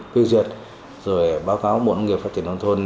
phiêu duyệt rồi báo cáo bộ nguyên nghiệp phát triển đồng thôn